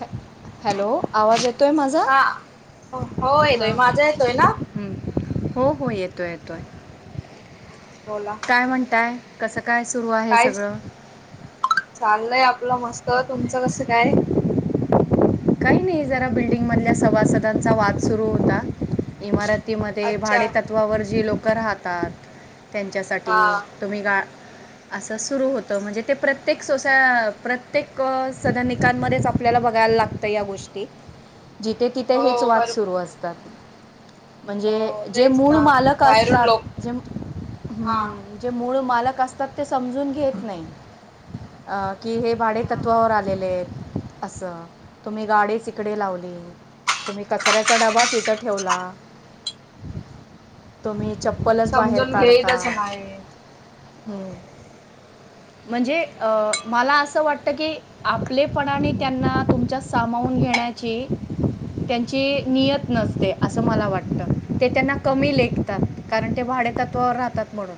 हॅ हॅलो आवाज येतोय माझा? हा हो येतोय माझा येतोय ना? हम हो हो येतो येतोय. हा बोला. काय म्हणताय कसं काय सुरू आहे हे सगळं. चाललय आपलं मस्त तुमचं कसं काय? काही नाही जरा बिल्डिंग मधल्या सभासदांचा वाद सुरू होता इमारत तीमध्ये अच्छा भाडेेतत्वावर जी लोक राहतात त्यांच्यासाठी हा तुम्ही गा असं सुरू होत म्हणजे ते प्रत्येक सोसा प्रत्येक सदनिकांमध्येच आपल्याला बघायला लागत या गोष्टी जिथे तिथे हो हेच वाद भर सुरू असतात म्हणजे हो जे तेच मूळ ना मालक बाहेरून लोक असतात ज हा हम् जे मूळ मालक असतात ते समजून घेत नाही की हे भाडे हा तत्वावर आले आपलेले असं तुम्ही गाडीच इकडे लावली तुम्ही कचऱ्याचा डबाच इथं ठेवला तुम्ही म्हणजे चप्पलच बाहेर समजून काढता घेतच नाही हम्म म्हणजे मला असं वाटतं की आपलेपणाने त्यांना तुमच्या सामावून घेण्याचे त्यांची नियत नसते असं मला वाटत ते त्यांना कमी लेखतात कारण ते भाडतात त राहतात म्हणून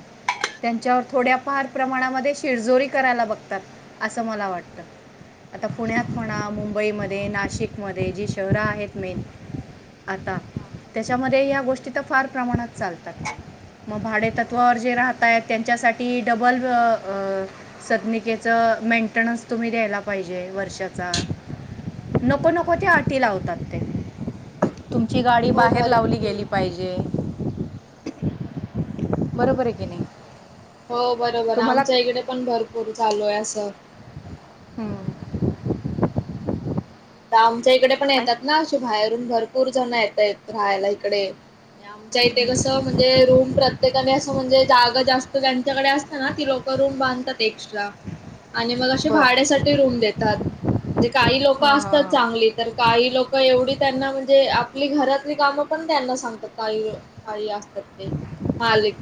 त्यांच्यावर थोड्या फार प्रमाणामध्ये शिरजोरी करायला बघतात असं मला वाटतं आता पुण्यात म्हणा मुंबईमध्ये नाशिकमध्ये जी शहरं आहेत मेन आता त्याच्यामध्ये या गोष्टी फार प्रमाणात चालतात मग भाडेेतत्वावर जे राहताय त्यांच्यासाठी डबल अ सदनिकेच मेंटेनन्स तुम्ही द्यायला पाहिजे वर्षाचा नको नको ते आटी लावतात ते तुमची गाडी हो बाहेर लावली भरपूर गेली पाहिजे जे बरोबर आहे की नाही हो बरोबर तुम्हाला आमच्या इकडे पण भरपूर चालू आहे असं हम्म आमच्या इकडे पण येतात आणि- ना अ बाहेरून भरपूर जण येत आहेत राहायला इकडे आमच्या इथे कसं हं. म्हणज म्हणे रूम प्रत्येकाने असं म्हणजे जागा जास्त त्यांच्याकडे असते ना ती लोक रूम बांधतात एक्स्ट्रा हम् हम आणि मग असे भाड्यासाठी रूम देतात म्ह जे काही लोक हां असतात हां हां चांगली तर काही लोक एवढी त्यांना म्हणजे आपली घरातली कामं पण त्यांना सांगतात काही काही असतात ते मालिक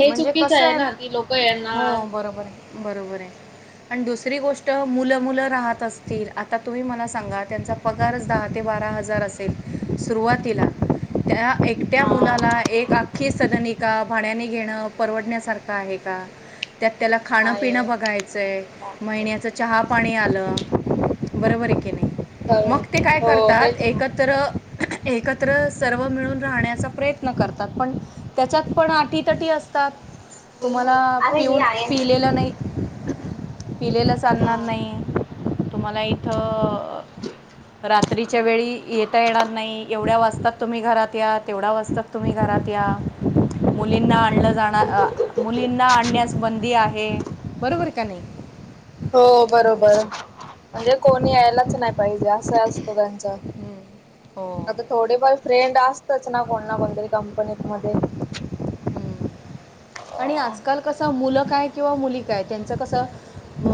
हे म्हणजे चुकीच कस आहे ना ती लोक येणार हो बरोबर आहे बरोबर आहे आणि दुसरी गोष्ट मुलं मुलं राहत असतील आता तुम्ही मला सांगा त्यांचा पगारच दहा ते बारा हजार असेल सुरवातीला त्या हा. मुलाला एक आख्खी सदनिका भाड्याने घेणं परवडण्यासारखं आहे का त्यात त्याला खाणं नाही. पिणं बघायचंय महिन्याच चहा पाणी आलं बरोबर आहे की नाही मग ते काय हो करतात तेच ना. एकत्र एकत्र सर्व मिळून राहण्याचा प्रयत्न करतात पण त्याच्यात पण त असतात तुम्हाला अरे ही पिऊन आहे ते. पिलेलं नाही पिलेलंच आणलणार हम्म नाही तुम्हाला इथ रात्रीच्या वेळी येता येणार नाही एवढ्या वाजता तुम्ही घरात या तेवढा वास्तक तुम्ही घरात या मुलींना आणलं जा मुलींना आणण्यास बंदी आहे बरोबर का नाही हो बरोबर म्हणजे कोणी यायलाच नाही पाहिजे असं असतं त्यांचं हम्म. हो आता थोडेफार फ्रेंड असतच ना कोणना कोणतरी कंपनीत मध्ये हम्म. आणि आजकाल कसां मुलं काय किंवा मुली काय त्यांचं कसं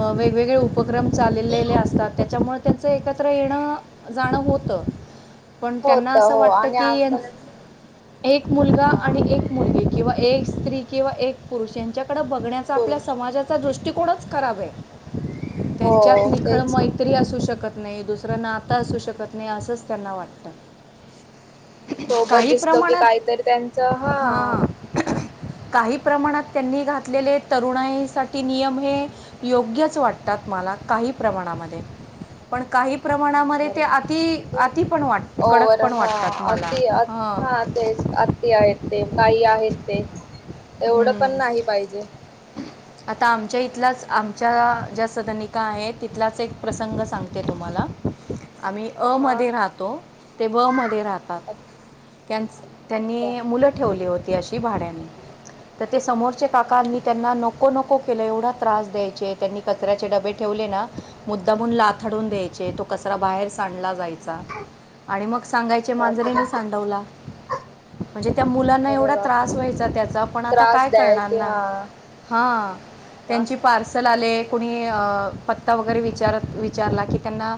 अ वेगवेगळे उपक्रम चाललेले असतात त्याच्यामुळे त्यांचं एकत्र येणं जाणं होतं पण त्यांना होत असं हो वाटतं आणि की आता एक मुलगा आणि हा एक मुलगी किंवा एक स्त्री किंवा एक पुरुष यांच्याकडे बघण्याचा आपल्या पुरुष समाजात चा दृष्टिकोनच खराब आहे, त्यांच्यात हो निखळ तेच. मै त्री असू शकत नाही दुसरं नातं असू शकत नाही असंच त्यांना वाटतं. सोबत काही दिसलो की प्रमाणात काहीतरी त्यांच हा. हां काही प्रमाणात त्यांनी घातलेले तरुणाईसाठी नियम हे योग्यच वाटतात मला काही प्रमाणामध्ये. पण काही प्रमाणामध्ये ते बरोबर अति अति पण वाट, कडक पण वाटतात मला. ते आत, हां हा तेच आत ते आहेत ते काही आहेत ते, एवढं पण हम्म. नाही पाहिजे. [inaudible] आता आमच्या इथंलाच आमच्या ज्या सदनिका आहेत तिथलाच एक प्रसंग सांगते तुम्हांला. आम्ही अ हा. मध्ये राहतो ते ब मध्ये राहतात. अच्छा त्यांचं, अच्छा त्यांनी मुलं ठेवली होती अशी भाड्यांने. तर ते समोरचे काकां मी त्यांना नको नको केलं एवढा त्रास द्यायचे त्यांनी कचऱ्याचे डबे ठेवले ना मुद्दामून लाथडून द्यायचे तो कचरा बाहेर सांडला जाय चा आणि मग सांगायचे बापरे मांजरीनी सांडवला. म्हणजे त्या मुलांना अरे एवढा त्रास बापरे व्हायचा त्याचा. पण आता त्रास काय करणार द्यायचे ना, हा हा वास त्यांचीपण पार्सल आले कुणी पत्ता वगैरे विचारत विचारला की त्यांना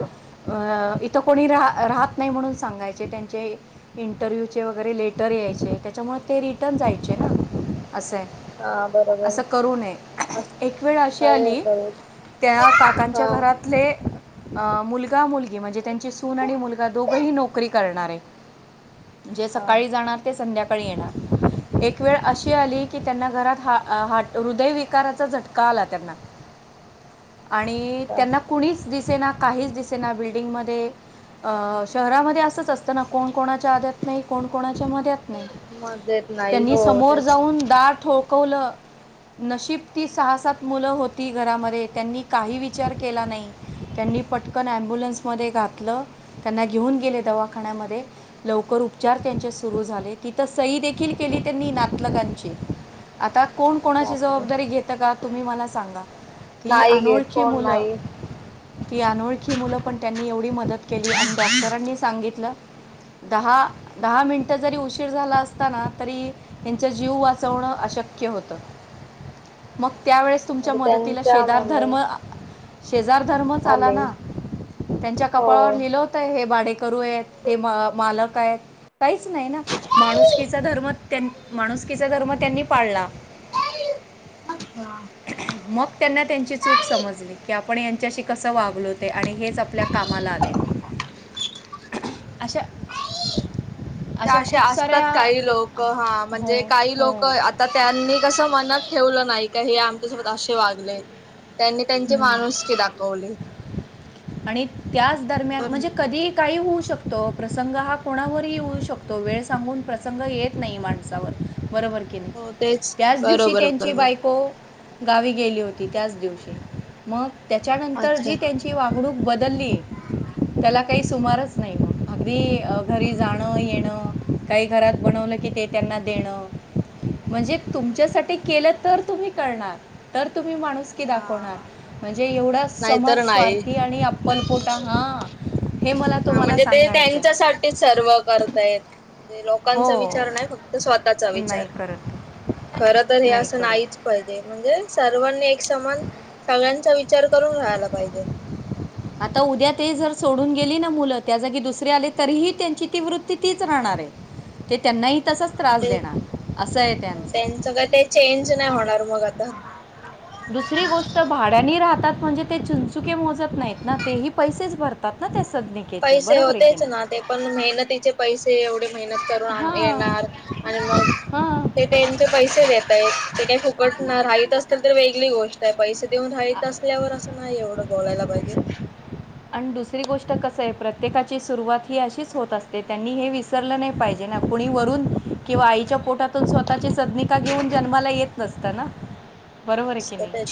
अ इथं कोणी रा राहत नाही म्हणून सांगायचे त्यांचे इंटरव्यू चे वगैरे लेटर यायचे त्याच्यामुळे ते रिटर्न जायचे ना. असं आहे. हा बरोबर असं करू नये, अस एक वेळ अशी नाही आली करू त्या हा काकांच्या घरातले अ मुलगा मुलगी म्हणजे त्यां ची सून आणि मुलगा दोघही नोकरी करणारे, जे हा सकाळी जाणार ते संध्याकाळी येणार एक वेळ अशी आली की त्यांना घरात ह हाट हृदयविकाराचा झटका आला त्यांना. आणि अच्छा त्यांना कुणीच दिसेना काहीच दिसेना बिल्डिंगमध्ये, अ शहरामध्ये असंच अस त ना कोण कोणाच्या आध्यात नाही कोण कोणाच्या मध्यात नाही, मग देत नाही त्यांनी हो समोर तेच जाऊन दार ठोकवलं. नशीब ती सहा-सात मुलं होती घरामध्ये त्यांनी काही विचार केला नाही. त्यांनी पटकन ॲम्बुलन्समध्ये घातलं, त्यांना घेऊन गेले दवाखान्यामध्ये लवकर उपचार त्यांचे सुरू झाले तिथं सही देखील केली त्यांनी ना [unintelligible] गाची आता कोण कोणाची बापरे जवाबदारी घेतं का तुम्ही मला सांगा. की नाही घेत अनोळखी कोण मुलं. नाही ती अनोळखी मुलं पण त्यांनी एवढी मदत केली आणि डॉक्टरांनी सांगितलं. दहा दहा मिनटं जरी उशीर झाला असताना तरी त्यांच जीव वाचवणं अशक्य होतं, मग त्यावेळेस तुमच्या म्हणजे मदतीला त्यांच्या शेजार मुले धर्म शेजार धर्मच आला आले ना, त्यांच्या हो कपाळावर लिहिलं हो त हे भाडेकरू आहेत हे मालक आहेत. काहीच नाही ना माणुसकीचा धर्म त्यांन माणुसकीचा धर्म त्यांनी पाळला, हा मग त्यांना त्यांची चूक समजली की आपण यांच्याशी कसं वागलो ते आणि हेच आपल्या कामाला आले. अशा. ते अशा अशे खूप असतात साऱ्या काही लोकं हा हो, म्हणजे काही हो. लोकं तर त्यांनी कसं मनात ठेवलं नाही का हे आमच्यासोबत अशे वागले. त्यांनी त्यांचे हं. माणुसकी दाखवली. आणि त्याच दरम्यान म्हणजे कधीही काही होऊ शकतो प्रसंग हा कोणावरही हा येऊ शकतो वेळ सांगून प्रसंग येत नाही माणसांवर बरोबर हो तेच [unintelligible] त्यांच दिवशी बरोबर त्यांची बरोबर बायको गावी गेली होती त्यांच दिवशी. मग त्याच्यानंतर अच्छा जी त्यांची वागणूक बदलली [unintelligible] त्याला काही सुमारच नाही मग अगदी घरी जाणं येण काही घरात बनवलं की ते त्यांना देणं म्हणजे तुमच्यासाठी केलं तर तुम्ही करणार तर तुम्ही माणूस [unintelligible] हा म्हणजे एवढा समाज नाहीतर नाही स्वार्थी आणि अ्पलपोटा हा हे मला हा तुम्हाला म्हणजे ते सांगा त्यांच्यासाठी सर्व कर ते येत म्हणजे लोकांचा हो विचार नाही फक्त स्वतःचा विचार नाही करत खर तर हे नाही असं नाहीच करत पाहिजे म्हणजे सर्वांनी एक समान सगळ्यांचा विचार करून राहायला पाहिजे [unintelligible] आता उद्या ते जर सोडून गेली ना मुलं त्या जागी दुसरे आले तरीही त्यांची ती वृत्ती [unintelligible] ती, तीच राहणार आहे ते त्यांनाही तसच त्रास देणार असं आहे त्यांचं [unintelligible] त्यांच, काय, टे चेंज नाही होणार मग आता दुसरी गोष्ट भाड्यानी राहतात म्हणजे ते चुंचुके मोजत नाहीत ना तेही पैसेच भरतात ना ते सभनी पैसे होतेच ना ते पण मेहनतीचे पैसे एवढे मेहनत करून आण हां येणार आणि मग [unintelligible] हां ते त्यांचे पैसे देत आहेत ते काही फुकट नाही राहत असतील तर वेगळी गोष्ट आहे पैसे [unintelligible] देऊन राहीत असल्यावर असं नाही एवढं बोलायला पाहिजे [unintelligible] आणि दुसरी गोष्ट कसं आहे प्रत्येकाची सुरुवात ही अशीच होत असते त्यांनी हे विस [unintelligible] विसरलं नाही पाहिजे ना कुणी वरून किंवा आईच्या पोटातून स्वतःची सदनिका घेऊन जन्माला येत नसतं ना [unintelligible] आहे की मस्त नाही तेच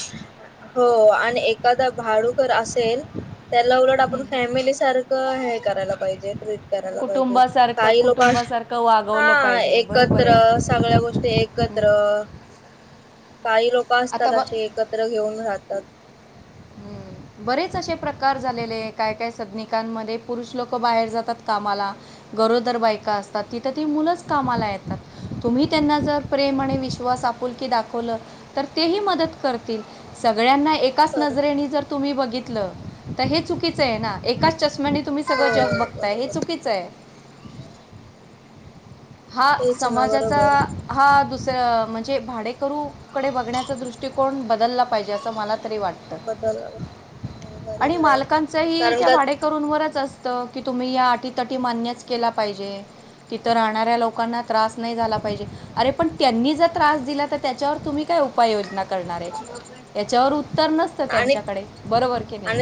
हो आणि एखादा भाडुकर असेल [unintelligible] त्याला उलट आपण हं. फॅमिली सारखं हे करायला पाहिजे ट्रीट [unintelligible] कराय पाहिजे कुटुंबासारखं काही लोक कुटुंबासारखं हा वागवलं पाहिजे बरोबर एकत्र आहे [unintelligible] सगळ्या गोष्टी हं. एकत्र काही लोक आता असतात बघ असे [unintelligible] एकत्र घेऊन राहतात ह बरेच असे प्रकार झालेले आहे काय काय सदनिकांमध्ये पुरुष लोक बाहेर जातात कामाला गरोदर बायका असतात तिथं ती, मुलंच कामाला येतात [unintelligible] तुम्ही त्यांना जर प्रेम आणि हो विश्वास आप पुलकी दाखवलं तर तेही मदत करतील सगळ्यांना एकाच बर नजरेने जर [unintelligible] तुम्ही बघितलं तर हे चुकीचं आहे ना एकाच चष्माने तुम्ही [unintelligible] सगळं हो जग बघतयं हे बरोबर चुकीचं आहे हा तेच ना समाजाचा बरोबर हा दुसर म्हणजे भाडेकरूकडे बघण्याचा [unintelligible] तुमचा, दृष्टिकोन बदलला पाहिजे असं मला तरी वाटतं बदल हो [unintelligible] आणि बरोबर आहे मालकांच ह कारण त्या का भाड्ये करून वर ठी मानअसतं की तुम्ही या अटीतटी मान्यच केला पाहिजे ती तर [unintelligible] येणारे लोकांना त्रास नाही झाला पाहिजे अरे त्यांनी दिला तर त्यांच्यावर तुम्ही [unintelligible] काय उपाययोजना करणार आहे यांच्यावर उत्तर नसतं त्यांच्याकडे बरोबर की नाही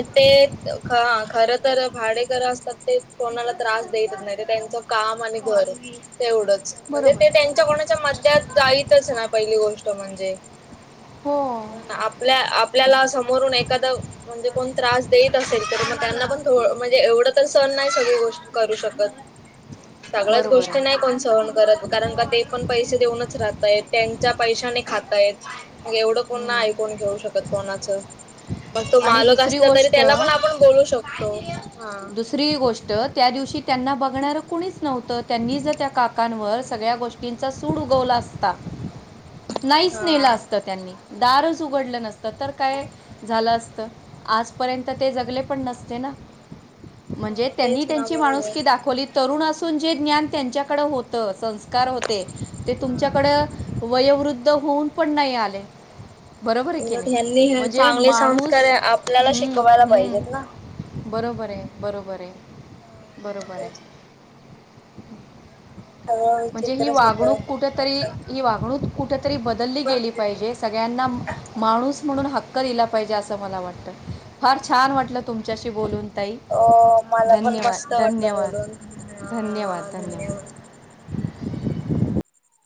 ह खर तर भाडेकर असतात ते कोणाला त्रास देत नाही ते त्यांचं काम आणि घर तेवढंच म्हणजे बरोबर ते त्यांच्या कोणाच्या मद्यात जाईतच ना पहिली गोष्ट म्हणजे [unintelligible] हो पण आपल्या आपल्याला समोरून एखादं [unintelligible] म्हणजे कोण त्रास देत असेल तर मग त्यांना पण म्हणजे एवढं तर सण नाही सगळी गोष्ट करू शकत [unintelligible] सगळ्याच बरोबर गोष्टी नाही आहे कोण सहन करत कारण का ते पण पैसे देऊनच राहताय त्यांच्या पैशाने खातायत मग एवढं कोण नाही कोण घेऊ शकत कोणाच मग तो आणि मालक दुसरी असला तरी गोष्ट त्याला पण आपण बोलू शकतो दुसरी गोष्ट त्या दिवशी त्यांना बघणारं कुणीच नव्हतं त्यांनी जर त्या काकांवर सगळ्या गोष्टी. ंचा सूड उगवला असता नाहीच नेला हा. असते त्यांनी दारच उघडलं नसतं तर काय झालं असतं आज? जगले पण नसते ना म्हणजे हो त्यांनी तेच ना त्यांची माणूस बरोबर की दाखवली. तरुण असून जे ज्ञान त्यांच्याकडे होतं संस्कार होत. ते तुमच्याकड वयोवृद्ध होऊन पण नाही आले. बरोबर आहे की उलट नाही ह्यांनी ह्याच म्हणजे माणूस कार्य आपल्याला हम्म पाहिजेत ना हम्म. बरोबर आहे बरोबर आहे बरोबर आहे. तेच ना सगळं म्हणजे ही विचित्रच वागणूक होतय कुठेतरी आता ही वागणूक कुठंतरी बदलली गेली पाहिजे सगळ्यांना माणूस म्हणून हक्. क दिला पाहिजे असं मला वाटत फार छान वाटलं तुमच्याशी बोलून ताई. अ मला पण मस्त धन्यवाद वाटलं धन्यवाद बोलून ह धन्यवाद.